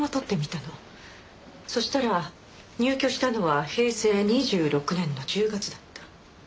そしたら入居したのは平成２６年の１０月だった。